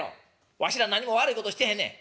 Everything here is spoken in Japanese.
わしら何も悪いことしてへんねん。